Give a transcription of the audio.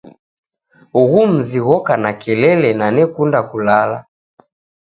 Ughu mzi ghoka na kelele na nekunda kulala